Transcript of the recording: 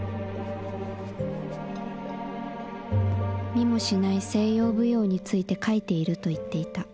「見もしない西洋舞踊について書いていると言っていた。